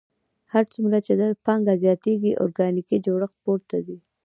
هر څومره چې پانګه زیاتېږي ارګانیکي جوړښت پورته ځي